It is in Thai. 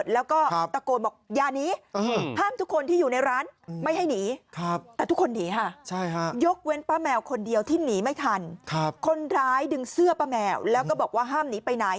แล้วก็ตะโกนบอกอย่านิห้ามทุกคนที่อยู่ในร้านไม่ให้หนีแต่ทุกคนหนีฮะ